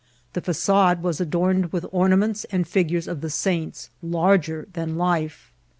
The facade was adorned with ornaments and figures of the saints, larger than life.